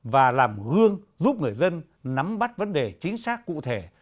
và làm gương giúp người dân nắm bắt vấn đề chính xác cụ thể